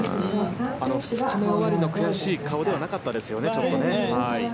２日目終わりの悔しい顔ではなかったですよね。